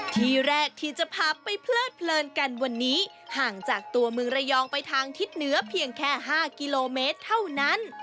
ที่แรกที่จะพาไปเพลิดเพลินกันวันนี้ห่างจากตัวเมืองระยองไปทางทิศเหนือเพียงแค่๕กิโลเมตรเท่านั้น